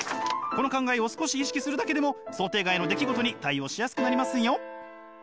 この考えを少し意識するだけでも想定外の出来事に対応しやすくなりますよ！